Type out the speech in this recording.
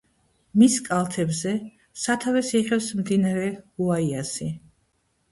მის კალთებზე სათავეს იღებს მდინარე გუაიასი.